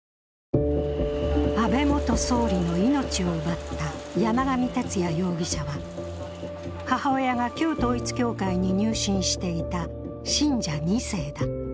安倍元総理の命を奪った山上徹也容疑者は母親が旧統一教会に入信していた信者２世だ。